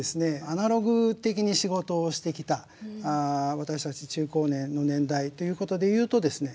アナログ的に仕事をしてきた私たち中高年の年代ということで言うとですね